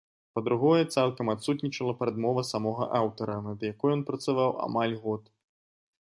Па-другое, цалкам адсутнічала прадмова самога аўтара, над якой ён працаваў амаль год.